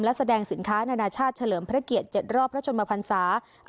และแสดงสินค้านานาชาติเฉลิมพระเกียรติ๗รอบพระชนมพันศา